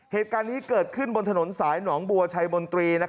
เหตุการณ์นี้เกิดขึ้นบนถนนสายหนองบัวชัยมนตรี